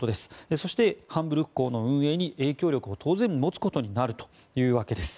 そして、ハンブルク港の運営に影響力を当然持つことになるわけです。